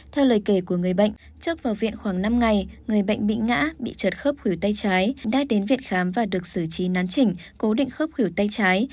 theo lời kể của người bệnh trước vào viện khoảng năm ngày người bệnh bị ngã bị trật khớp khửu tay trái đã đến viện khám và được xử trí nán chỉnh cố định khớp khửu tay trái